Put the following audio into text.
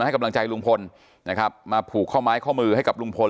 ให้กำลังใจลุงพลนะครับมาผูกข้อไม้ข้อมือให้กับลุงพล